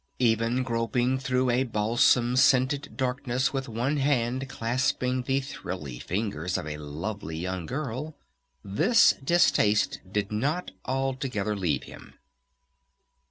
Even groping through a balsam scented darkness with one hand clasping the thrilly fingers of a lovely young girl, this distaste did not altogether leave him.